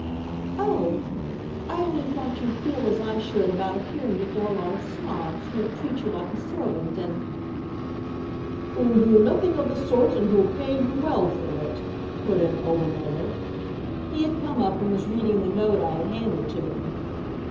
"Oh! I only thought you'd feel as I should about appearing before a lot of snobs, who'll treat you like a servant and " "Who'll do nothing of the sort and who'll pay you well for it," put in Obermuller. He had come up and was reading the note I had handed to him.